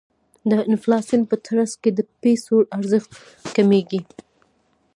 د انفلاسیون په ترڅ کې د پیسو ارزښت کمیږي.